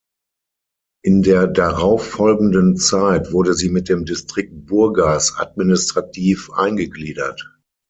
In der darauffolgenden Zeit wurde sie dem Distrikt Burgas administrativ eingegliedert.